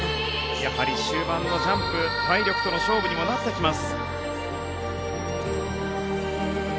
やはり終盤のジャンプ体力との勝負になってきます。